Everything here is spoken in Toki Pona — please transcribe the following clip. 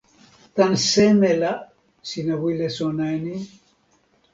tan seme la sina wile sona e ni?